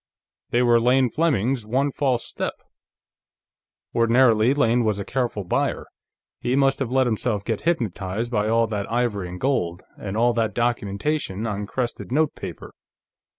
They were Lane Fleming's one false step. Ordinarily, Lane was a careful buyer; he must have let himself get hypnotized by all that ivory and gold, and all that documentation on crested notepaper.